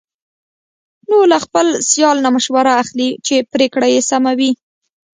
نو له خپل سیال نه مشوره اخلي، چې پرېکړه یې سمه وي.